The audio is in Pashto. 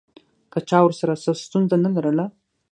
که چا ورسره څه ستونزه نه لرله.